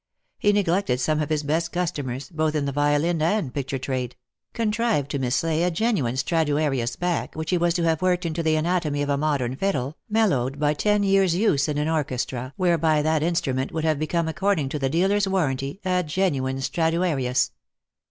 He neglected some of his best customers, both in the violin and picture trade ; con trived to mislay a genuine Straduarius back which he was to have worked into the anatomy of a modern fiddle, mellowed by ten years' use in an orchestra, whereby that instrument would have become, according to the dealer's warrantry, a genuine Straduarius.